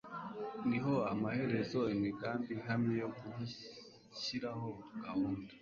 niho amaherezo imigambi ihamye yo gushyiraho gahunda